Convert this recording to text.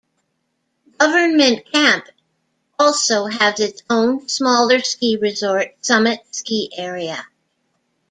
Government Camp also has its own, smaller ski resort, Summit Ski Area.